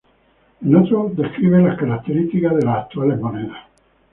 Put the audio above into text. En otros, describe las características de las actuales monedas.